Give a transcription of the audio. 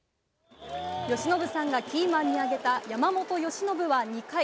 由伸さんがキーマンに挙げた山本由伸は２回。